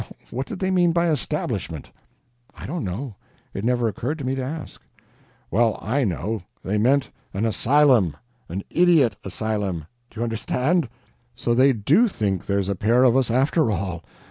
What did they mean by 'establishment'?" "I don't know; it never occurred to me to ask." "Well I know. They meant an asylum an IDIOT asylum, do you understand? So they DO think there's a pair of us, after all.